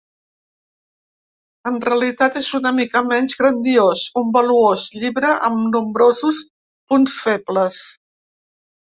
En realitat és una mica menys grandiós: un valuós llibre amb nombrosos punts febles.